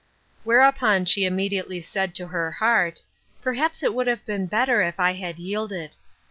Whereupon she immediately said to her heart " Perhaps it would have been better if I had yielded."